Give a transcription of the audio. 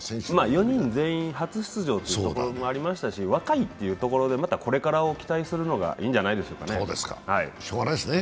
４人全員初出場ということもありましたし、若いというところで、またこれからを期待するのがいいんじゃないでしょうかね。